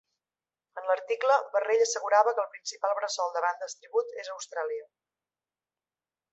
En l'article, Barrell assegurava que el principal bressol de bandes tribut és Austràlia.